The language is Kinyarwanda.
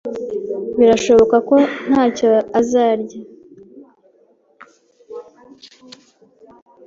birashoboka ko ntacyo azarya.